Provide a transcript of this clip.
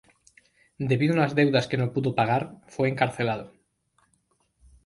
Debido a unas deudas que no pudo pagar, fue encarcelado.